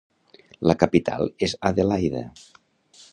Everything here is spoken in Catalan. La capital és Adelaida.